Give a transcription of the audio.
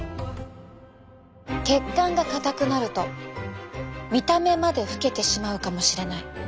血管が硬くなると見た目まで老けてしまうかもしれない。